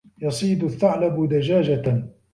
يَصِيدُ الثَّعْلَبُ دَجاجَةً.